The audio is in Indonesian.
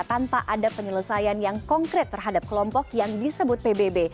tanpa ada penyelesaian yang konkret terhadap kelompok yang disebut pbb